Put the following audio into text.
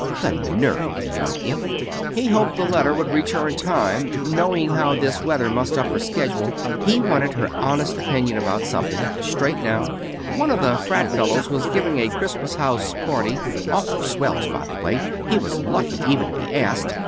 ("The nerve of the young imp!") He hoped the letter would reach her in time. Knew how this weather mussed up her schedule. He wanted her honest opinion about something straight, now! One of the frat fellows was giving a Christmas house party. Awful swells, by the way. He was lucky even to be asked.